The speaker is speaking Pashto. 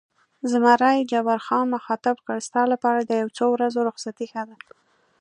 زمري جبار خان مخاطب کړ: ستا لپاره د یو څو ورځو رخصتي ښه ده.